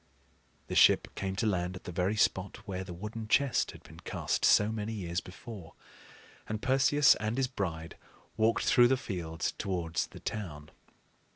The ship came to land at the very spot where the wooden chest had been cast so many years before; and Perseus and his bride walked through the fields towards the town.